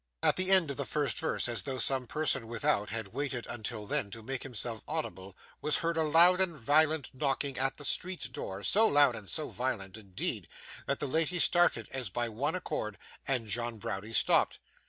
At the end of the first verse, as though some person without had waited until then to make himself audible, was heard a loud and violent knocking at the street door; so loud and so violent, indeed, that the ladies started as by one accord, and John Browdie stopped.